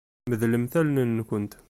Medlemt allen-nkent.